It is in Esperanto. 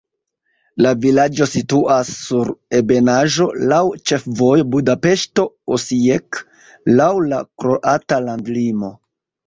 La vilaĝo situas sur ebenaĵo, laŭ ĉefvojo Budapeŝto-Osijek, laŭ la kroata landlimo.